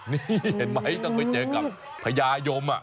นี่เห็นไหมต้องไปเจอกับพญายม